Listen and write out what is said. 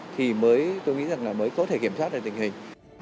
thì tôi nghĩ là mới có thể kiểm soát được tình hình